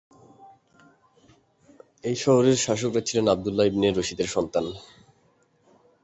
এই শহরের শাসকরা ছিলেন আবদুল্লাহ ইবনে রশিদের সন্তান।